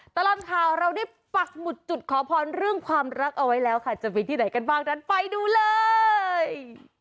ตลอดข่าวเราได้ปักหมุดจุดขอพรเรื่องความรักเอาไว้แล้วค่ะจะมีที่ไหนกันบ้างนั้นไปดูเลย